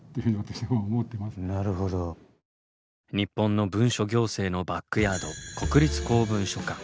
日本の文書行政のバックヤード国立公文書館。